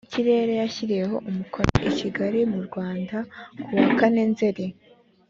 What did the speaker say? kirere yashyiriweho umukono i kigali mu rwanda ku wa kane nzeri